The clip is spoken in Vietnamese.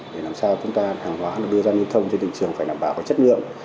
để làm sao chúng ta hàng hóa đưa ra nguyên thông cho thị trường phải nằm bảo có chất lượng